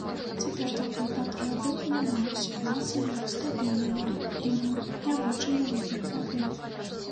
Цяпер такой патрэбы няма, сітуацыя стабільная, і мы не бачым вялікіх праблем.